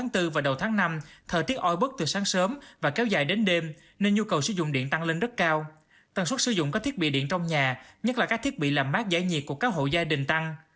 tăng suất sử dụng có thiết bị điện trong nhà nhất là các thiết bị làm mát giải nhiệt của các hộ gia đình tăng